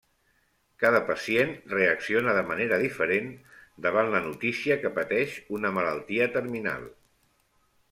Cada pacient reacciona de manera diferent davant la notícia que pateix una malaltia terminal.